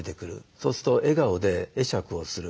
そうすると笑顔で会釈をする。